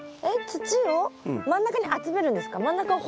えっ土を真ん中に集めるんですか？